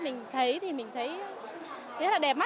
mình thấy thì mình thấy rất là đẹp mắt